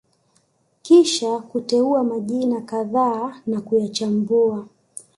kisha kuteua majina kadhaa na kuyachambua